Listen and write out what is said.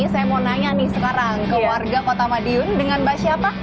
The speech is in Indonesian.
saya mau nanya nih sekarang ke warga kota madiun dengan mbak siapa